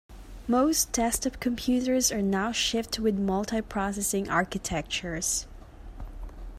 Most desktop computers are now shipped with multiprocessing architectures.